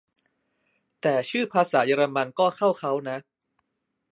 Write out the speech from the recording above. แต่ชื่อภาษาเยอรมันก็เข้าเค้านะ